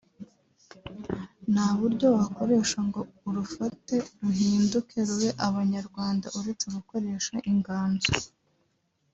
nta buryo wakoresha ngo urufate ruhinduke rube Abanyarwanda uretse gukoresha inganzo